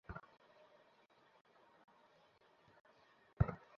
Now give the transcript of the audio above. ওকে, Anderson, শুরু করো।